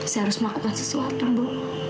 saya harus melakukan sesuatu bu